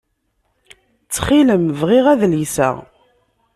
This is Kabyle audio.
Ttxil-m bɣiɣ adlis-a.